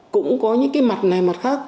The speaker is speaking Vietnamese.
cũng có những cái mặt này mặt khác